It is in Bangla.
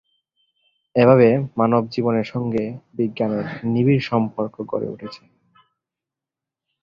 এভাবে মানবজীবনের সঙ্গে বিজ্ঞানের নিবিড় সম্পর্ক গড়ে উঠেছে।